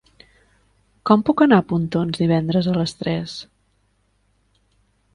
Com puc anar a Pontons divendres a les tres?